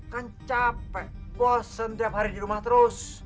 kan capek bosen tiap hari di rumah terus